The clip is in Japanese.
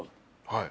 はい。